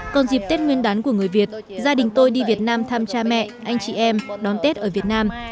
còn dịp tết nguyên đán của người việt gia đình tôi đi việt nam thăm cha mẹ anh chị em đón tết ở việt nam